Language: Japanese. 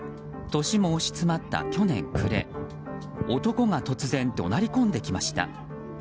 年も押し詰まった去年暮れ男が突然怒鳴り込んできました。